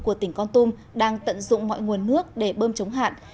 của tỉnh con tum đang tận dụng mọi nguồn nước để bơm chống hạn